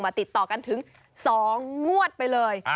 ติดต่อกันถึง๒งวดไปเลย